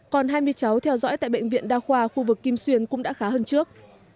còn hai mươi cháu theo dõi tại bệnh viện đa khoa khu vực kim xuyên cũng đã khá hơn trước